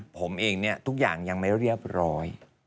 ผมเองเนี่ยทุกอย่างยังไม่เรียบร้อย